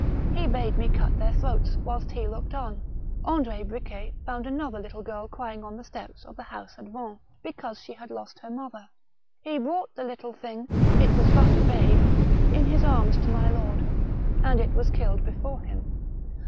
He bade me cut their throats whilst he looked on. Andr6 Bricket found another little girl crying on the steps of the house at Vannes because she had lost her mother. He brought the little thing — it was but a babe — in his arms to my lord, and it was killed before him.